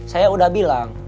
saya udah bilang